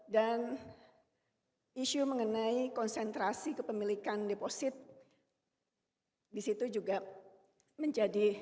dan isu mengenai konsentrasi kepemilikan deposit disitu juga menjadikan